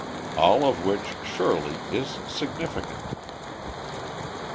All of which, surely, is significant.